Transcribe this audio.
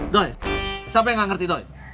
doi siapa yang ga ngerti doi